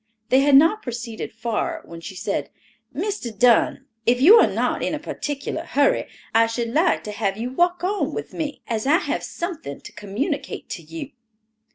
They had not proceeded far when she said, "Mr. Dunn, if you are not in a particular hurry, I should like to have you walk on with me, as I have something to communicate to you."